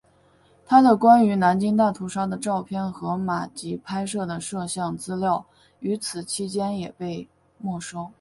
他的关于南京大屠杀的照片和马吉拍摄的影像资料与此期间也被没收。